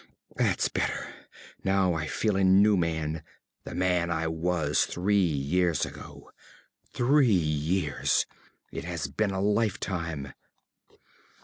_) That's better! Now I feel a new man the man I was three years ago. Three years! It has been a lifetime!